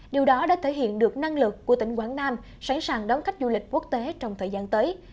điều đó đã thể hiện được năng lực của tỉnh quảng nam sẵn sàng đón khách du lịch quốc tế trong thời gian tới